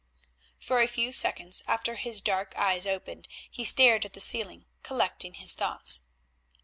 For a few seconds after his dark eyes opened he stared at the ceiling collecting his thoughts.